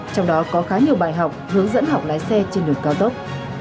trong đó có khá nhiều bài học hướng dẫn học lái xe trên đường cao tốc